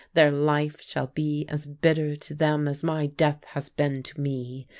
Their life shall be as bitter to them as my death has been to me.